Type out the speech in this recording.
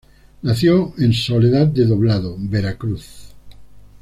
Nació en Soledad de Doblado, Veracruz.